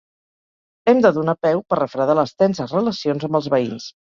Hem de donar peu per refredar les tenses relacions amb els veïns.